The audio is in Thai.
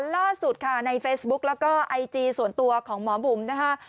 ล่าสุดค่ะในเฟซบุ๊กแล้วก็ไอจีส่วนตัวของหมอบุ๋มนะคะ